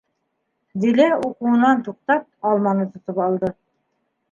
Дилә, уҡыуынан туҡтап, алманы тотоп алды: